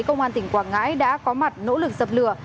công an tỉnh quảng ngãi đã có mặt nỗ lực dập lửa